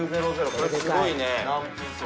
これすごいね。